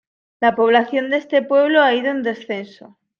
La población de este pueblo ha ido en descenso.